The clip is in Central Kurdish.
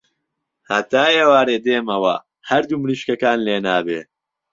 هەتا ئێوارێ دێمەوە هەردوو مریشکەکان لێنابێ.